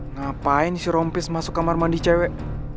ngapain sih rompis masuk kamar mandi cewek